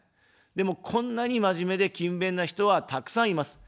でも、こんなに真面目で勤勉な人はたくさんいます。